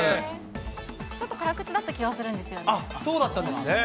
ちょっと辛口だった気がするそうだったんですね。